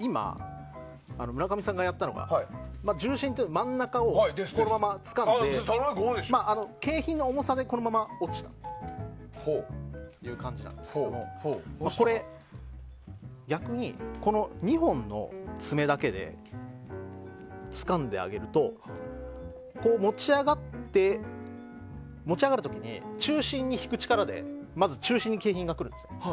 今、村上さんがやったのは重心って真ん中をこのままつかんで景品の重さでこのまま落ちるっていう感じなんですけどこれ、逆に２本の爪だけでつかんであげると持ち上がる時に中心に引く力でまず中心に景品が来るんですよ。